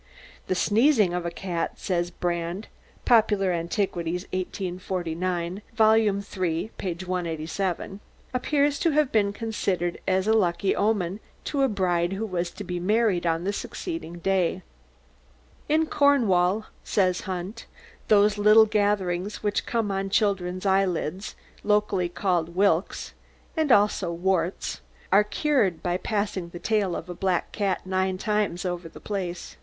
The sneezing of the cat, says Brand ('Popular Antiquities,' 1849, vol. iii., p. 187), appears to have been considered as a lucky omen to a bride who was to be married on the succeeding day. "'In Cornwall,' says Hunt, 'those little gatherings which come on children's eyelids, locally called "whilks," and also "warts," are cured by passing the tail of a black cat nine times over the place.